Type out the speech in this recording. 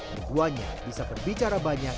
berduanya bisa berbicara banyak